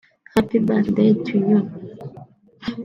Happy Birthday to you